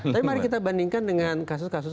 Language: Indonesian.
tapi mari kita bandingkan dengan kasus kasus